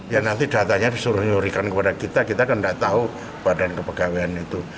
ya nanti datanya disuruh nyurikan kepada kita kita kan tidak tahu badan kepegawaian itu